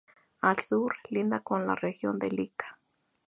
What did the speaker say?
Al Sur, linda con la región de Lika.